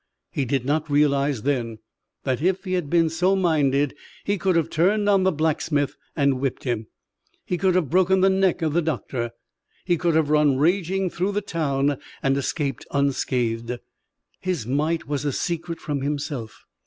He did not realize then that if he had been so minded, he could have turned on the blacksmith and whipped him, he could have broken the neck of the doctor, he could have run raging through the town and escaped unscathed. His might was a secret from himself.